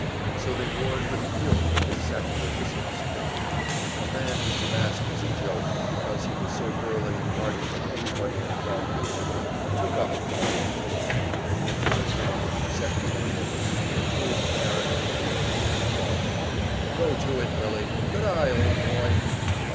So they roared with fury at this sacreligious upstart. A man whose mask was a joke, because he was so burly and hearty that everybody in the crowd knew him, took up the bloody whip. It was Billy Nash, secretary of the "Improve America League," and the crowd shouted, "Go to it, Billy! Good eye, old boy!"